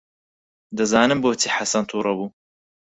دەزانم بۆچی حەسەن تووڕە بوو.